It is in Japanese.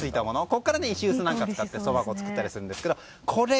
ここから石臼を使ってそば粉を作ったりするんですが。